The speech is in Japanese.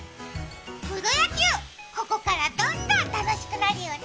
プロ野球、ここからどんどん楽しくなるよね。